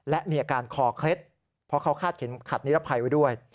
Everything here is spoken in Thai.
และมีอาการคอเคล็ดเพราะเขาคาดเข็มขัดนิรภัยไว้ด้วย